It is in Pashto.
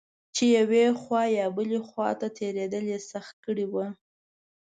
چې یوې خوا یا بلې خوا ته تېرېدل یې سخت کړي و.